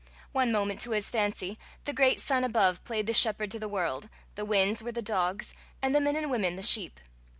One moment, to his fancy, the great sun above played the shepherd to the world, the winds were the dogs, and the men and women the sheep.